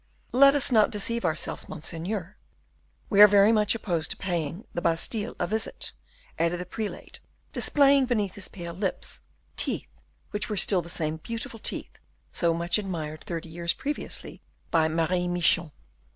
"Let us not deceive ourselves, monseigneur; we are very much opposed to paying the Bastile a visit," added the prelate, displaying, beneath his pale lips, teeth which were still the same beautiful teeth so much admired thirty years previously by Marie Michon.